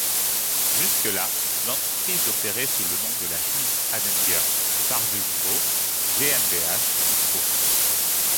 Jusque-là, l'entreprise opérait sous le nom de la Schmitz-Anhänger Fahrzeugbau GmbH und Co.